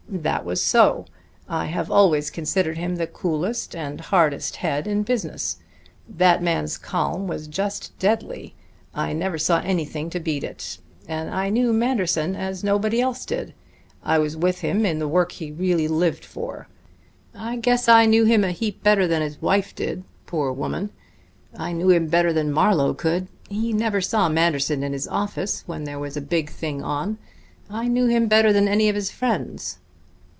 That was so. I have always considered him the coolest and hardest head in business. That man's calm was just deadly I never saw anything to beat it. And I knew Manderson as nobody else did. I was with him in the work he really lived for. I guess I knew him a heap better than his wife did, poor woman. I knew him better than Marlowe could he never saw Manderson in his office when there was a big thing on. I knew him better than any of his friends."